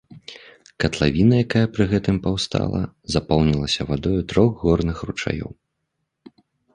Катлавіна, якая пры гэтым паўстала, запоўнілася вадою трох горных ручаёў.